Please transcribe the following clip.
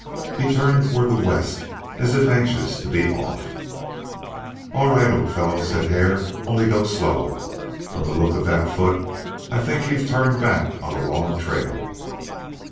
He turned toward the west as if anxious to be off. "All right, old fellow," said Hare, "only go slow. From the look of that foot I think you've turned back on a long trail."